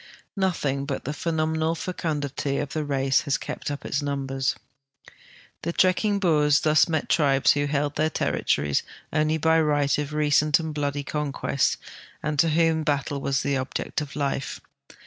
Nothing but the phenomenal fecundity of the race has kept up its numbers. The trekking Boers thus met tribes who held their territories only by the right of recent and bloody coii(|uest and to whom battle was the olqect of life.